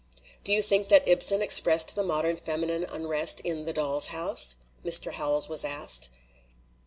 "Do you think that Ibsen expressed the mod ern feminine unrest in The Doll's House?'' Mr. Howells was asked.